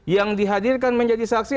yang dihadirkan menjadi saksi